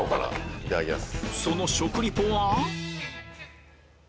いただきやす。